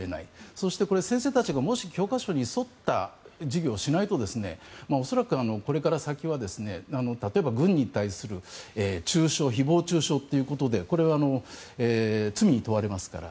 そして先生たちがもし教科書に沿った授業をしないと恐らく、これから先は例えば軍に対する誹謗中傷ということでこれは罪に問われますから。